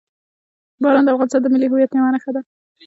باران د افغانستان د ملي هویت یوه نښه ده.